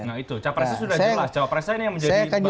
nah itu capresnya sudah jelas cawapresnya ini yang menjadi